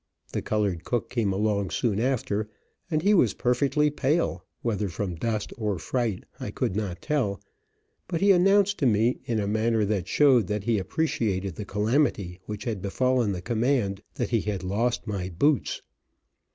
The colored cook came along soon after, and he was perfectly pale, whether from dust or fright I could not tell, but he announced to me, in a manner that showed that he appreciated the calamity which had befallen the command, that he had lost my boots.